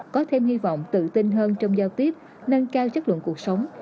có thêm hy vọng tự tin hơn trong giao tiếp nâng cao chất lượng cuộc sống